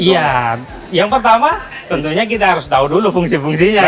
iya yang pertama tentunya kita harus tahu dulu fungsi fungsinya